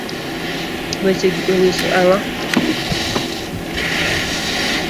weche gi onyiso ang'o?